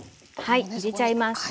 はい入れちゃいます。